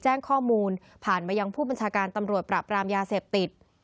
แจ้งข้อมูลผ่านมายังผู้บัญชาการตำรวจปราบรามยาเสพติด